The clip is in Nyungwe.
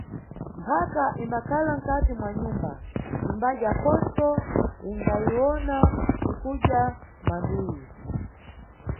Mphaka imbakhala nkati mwa nyumba, imbadya khoso ingayiwona ikudya manduyi.